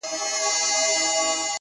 د غرمو گرم اورښته قدم اخله _